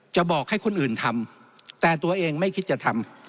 บอกให้คนอื่นทำแต่ตัวเองไม่คิดจะทำ